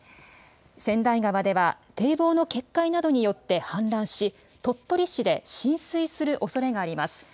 千代川では、堤防の決壊などによって氾濫し、鳥取市で浸水するおそれがあります。